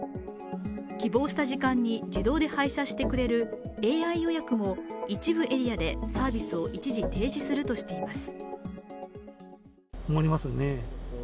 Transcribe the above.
希望した時間に自動で配車してくれるＡＩ予約も一部エリアでサービスを一時停止するとしています。